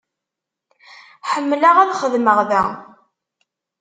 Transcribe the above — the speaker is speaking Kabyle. Ḥemmleɣ ad xedmeɣ da.